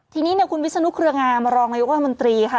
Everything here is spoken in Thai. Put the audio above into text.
ทีนี้คุณวิศนุเครืองามารองนายกว่ามนตรีค่ะ